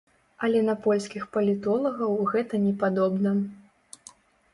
Але на польскіх палітолагаў гэта не падобна.